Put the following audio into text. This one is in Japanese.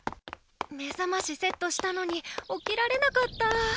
めざましセットしたのに起きられなかった。